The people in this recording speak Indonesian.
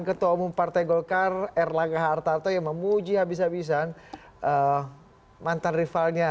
ketua umum partai golkar erlangga hartarto yang memuji habis habisan mantan rivalnya